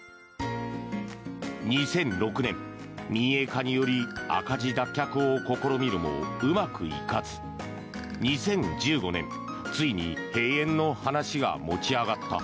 ２００６年、民営化により赤字脱却を試みるもうまくいかず２０１５年、ついに閉園の話が持ち上がった。